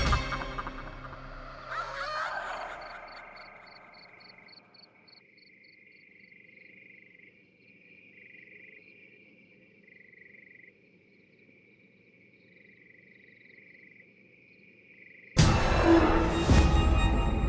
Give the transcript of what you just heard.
เป็นไรตั้งสติดี